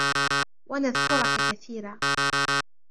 وَنَذْكُرَكَ كَثِيرًا